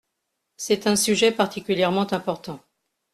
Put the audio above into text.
C’est un sujet particulièrement important.